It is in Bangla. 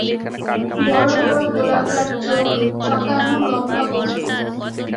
বড়-বড় গোলাকার চোখ, পাকানো লম্বা গোঁফ।